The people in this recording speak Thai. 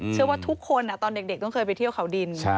เชื่อว่าทุกคนตอนเด็กต้องเคยไปเที่ยวเขาดิน